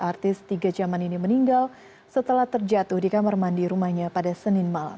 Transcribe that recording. artis tiga jaman ini meninggal setelah terjatuh di kamar mandi rumahnya pada senin malam